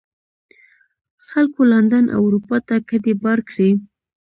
خلکو لندن او اروپا ته کډې بار کړې.